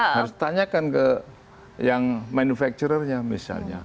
harus ditanyakan ke yang manufacture nya misalnya